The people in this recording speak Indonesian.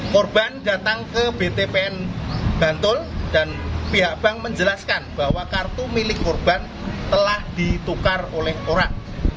korban datang ke btpn bantul dan pihak bank menjelaskan bahwa kartu milik korban telah ditukar oleh orang